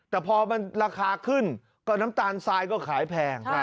แต่พอมันราคาขึ้นก็น้ำตาลทรายก็ขายแพง